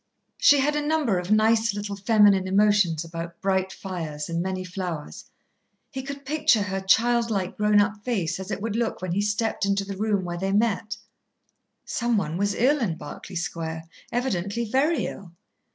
She had a number of nice, little feminine emotions about bright fires and many flowers. He could picture her childlike grown up face as it would look when he stepped into the room where they met. Some one was ill in Berkeley Square, evidently very ill.